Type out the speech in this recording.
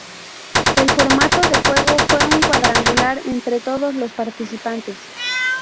El formato de juego fue un cuadrangular entre todos los participantes.